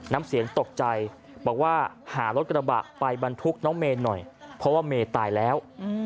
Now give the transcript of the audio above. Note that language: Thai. น้ำเสียงตกใจบอกว่าหารถกระบะไปบรรทุกน้องเมย์หน่อยเพราะว่าเมย์ตายแล้ว